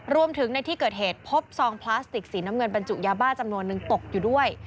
รวมถึงในที่เกิดเหตุพบซองพลาสติกสีน้ำเงินบรรจุยาบ้าจำนวนนึงตกอยู่ด้วย